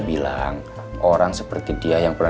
itu yang jadi heksan b